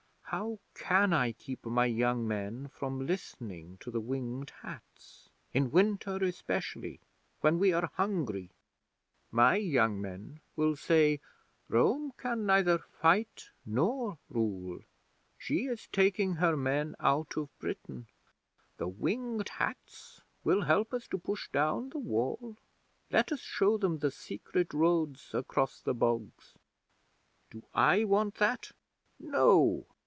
How can I keep my young men from listening to the Winged Hats in winter especially, when we are hungry? My young men will say, 'Rome can neither fight nor rule. She is taking her men out of Britain. The Winged Hats will help us to push down the Wall. Let us show them the secret roads across the bogs.' Do I want that? No!"